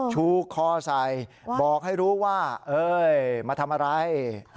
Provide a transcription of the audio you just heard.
ชูคอใส่บอกให้รู้ว่ามาทำอะไร